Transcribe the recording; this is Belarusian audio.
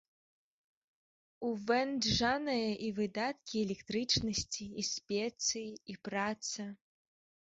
У вэнджанае і выдаткі электрычнасці, і спецыі, і праца.